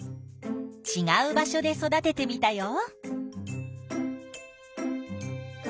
ちがう場所で育ててみたよ。